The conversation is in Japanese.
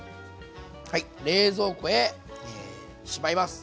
はい冷蔵庫へしまいます。